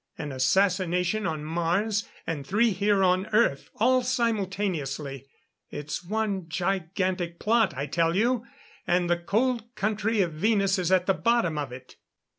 An assassination on Mars, and three here on Earth all simultaneously. It's one gigantic plot, I tell you and the Cold Country of Venus is at the bottom of it."